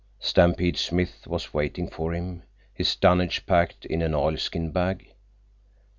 Stampede Smith was waiting for him, his dunnage packed in an oilskin bag.